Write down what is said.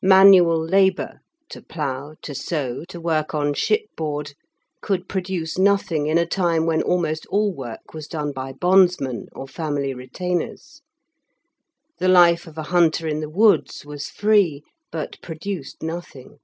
Manual labour (to plough, to sow, to work on shipboard) could produce nothing in a time when almost all work was done by bondsmen or family retainers. The life of a hunter in the woods was free, but produced nothing.